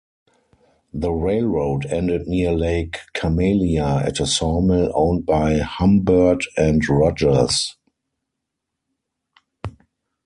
The railroad ended near Lake Camelia at a sawmill owned by Humbird and Rogers.